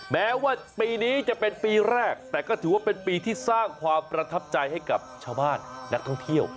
แม้ว่าปีนี้จะเป็นปีแรกแต่ก็ถือว่าเป็นปีที่สร้างความประทับใจให้กับชาวบ้านนักท่องเที่ยว